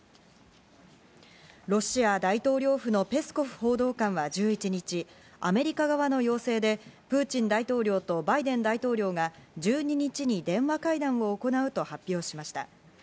ロシア大統領府のペスコフ報道官は１１日、アメリカ側の要請でプーチン大統領とバイデン大統領が１２日に電話会談を行うと発表しました。